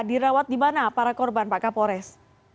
dirawat di mana para korban pak kapolres